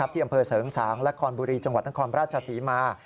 ที่อำเภอสหังและคอนบุรีจังหวัดนักควรประชาษีมา